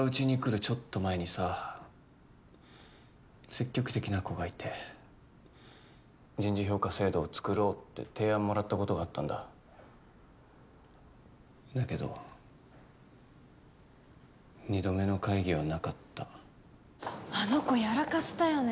ちょっと前にさ積極的な子がいて人事評価制度を作ろうって提案もらったことがあったんだだけど２度目の会議はなかったあの子やらかしたよね